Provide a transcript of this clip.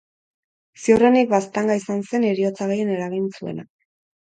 Ziurrenik baztanga izan zen heriotza gehien eragin zuena.